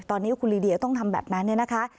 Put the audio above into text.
ตอนนี้คุณลีเดียต้องทำแบบนั้นเนี่ยนะคะ